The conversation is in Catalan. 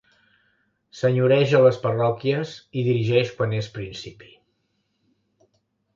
Senyoreja a les parròquies i dirigeix quan és principi.